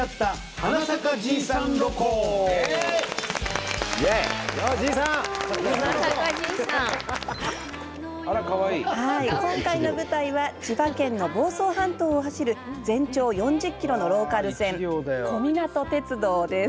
はい今回の舞台は千葉県の房総半島を走る全長４０ｋｍのローカル線小湊鉄道です。